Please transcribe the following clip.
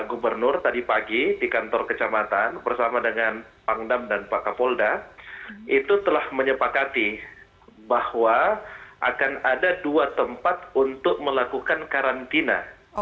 pak gubernur tadi pagi di kantor kecamatan bersama dengan pangdam dan pak kapolda itu telah menyepakati bahwa akan ada dua tempat untuk melakukan karantina